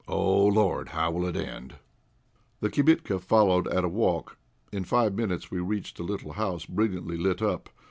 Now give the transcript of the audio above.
Oh, Lord! how will it all end?" The "kibitka" followed at a walk. In five minutes we reached a little house, brilliantly lit up.